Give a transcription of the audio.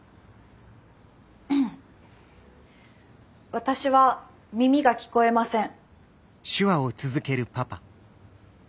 私は耳が聞こえません。